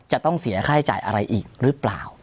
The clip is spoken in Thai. จะต้องเสียค่าใช้จ่ายอะไรอีกหรือเปล่า